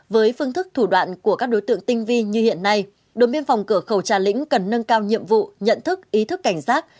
với phương thức thủ đoạn của các đối tượng tinh vi như hiện nay đồn biên phòng cửa khẩu trà lĩnh cần nâng cao nhiệm vụ nhận thức ý thức cảnh giác